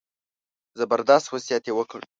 زبردست وصیت وکړ.